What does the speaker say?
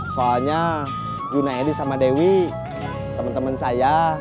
soalnya juna edy sama dewi temen temen saya